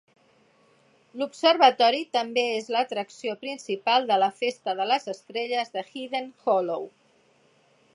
L'observatori també és l'atracció principal de la festa de les estrelles de Hidden Hollow.